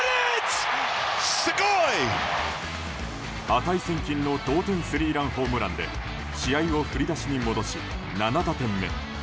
値千金の同点スリーランホームランで試合を振り出しに戻し７打点目。